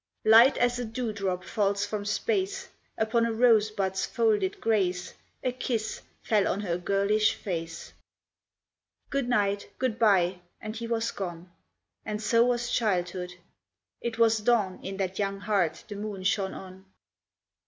Light as a dewdrop falls from space Upon a rosebud's folded grace, A kiss fell on her girlish face. "Good night, good bye," and he was gone. And so was childhood; it was dawn In that young heart the moon shone on.